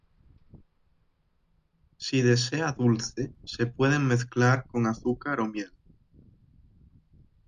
Si desea dulce se pueden mezclar con azúcar o miel.